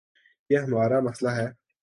یہ ہمار امسئلہ ہے۔